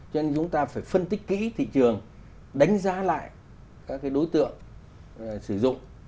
cho nên chúng ta phải phân tích kỹ thị trường đánh giá lại các đối tượng sử dụng